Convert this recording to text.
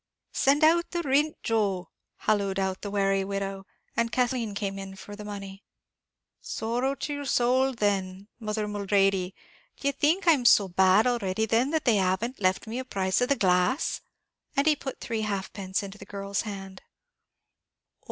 "Send out the rint, Joe," hallooed out the wary widow, and Kathleen came in for the money. "Sorrow to your sowl then, mother Mulready; d'ye think I'm so bad already then, that they haven't left me the price of a glass?" and he put three halfpence into the girl's hand.